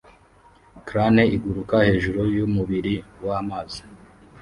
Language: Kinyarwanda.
crane iguruka hejuru yumubiri wamazi